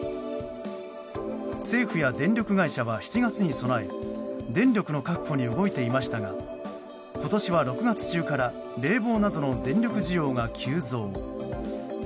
政府や電力会社は７月に備え電力の確保に動いていましたが今年は６月中から冷房などの電力需要が急増。